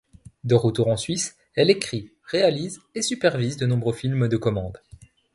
De retour en Suisse, elle écrit, réalise, et supervise de nombreux films de commande.